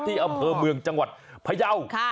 อำเภอเมืองจังหวัดพยาว